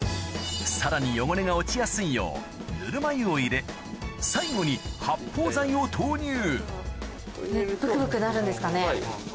さらに汚れが落ちやすいようぬるま湯を入れ最後に発泡剤を投入はい。